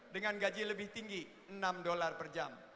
dengan gaji lebih tinggi enam dolar per jam